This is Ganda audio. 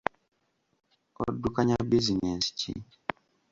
Oddukanya bizinensi ki?